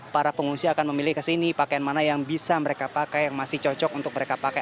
para pengungsi akan memilih kesini pakaian mana yang bisa mereka pakai yang masih cocok untuk mereka pakai